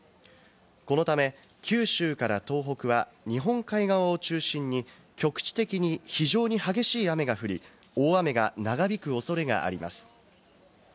このため、九州から東北は日本海側を中心に局地的に非常に激しい雨が降り、大雨が長引く恐れがあります。